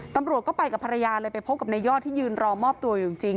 ตำรวจก็ไปกับภรรยาเลยไปพบกับนายยอดที่ยืนรอมอบตัวอยู่จริง